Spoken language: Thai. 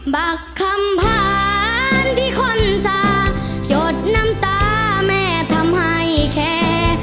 บักคำผ่านที่คนจะหยดน้ำตาแม่ทำให้แคร์